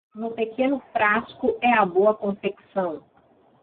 No pequeno frasco é a boa confecção.